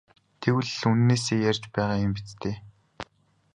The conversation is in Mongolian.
Тэгвэл үнэнээсээ ярьж байгаа юм биз дээ?